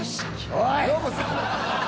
「おい！」。